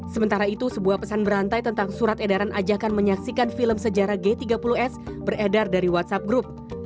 sementara itu sebuah pesan berantai tentang surat edaran ajakan menyaksikan film sejarah g tiga puluh s beredar dari whatsapp group